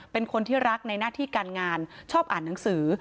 เป็นคนที่รักในหน้าที่การงานชอบอ่านหนังสือ